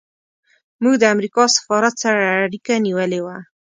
موږ د امریکا سفارت سره اړیکه نیولې وه.